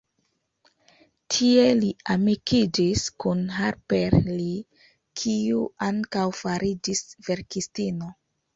Tie li amikiĝis kun Harper Lee, kiu ankaŭ fariĝis verkistino.